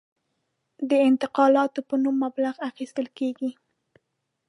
د انتقالاتو په نوم مبلغ اخیستل کېږي.